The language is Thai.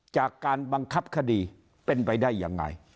จากการบังคับคดีเป็นไปได้ยังไง